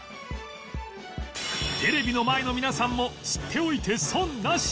テレビの前の皆さんも知っておいて損なし！